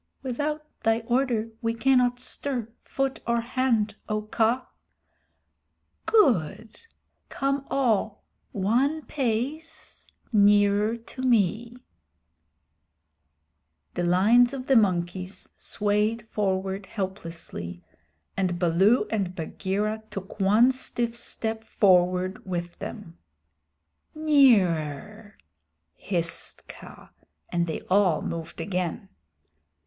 "Without thy order we cannot stir foot or hand, O Kaa!" "Good! Come all one pace nearer to me." The lines of the monkeys swayed forward helplessly, and Baloo and Bagheera took one stiff step forward with them. "Nearer!" hissed Kaa, and they all moved again.